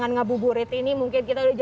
semoga peluangnya kalian bisa meraih